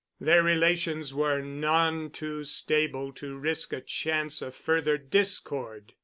Their relations were none too stable to risk a chance of further discord.